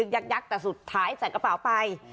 ยักษ์แต่สุดท้ายใส่กระเป๋าไป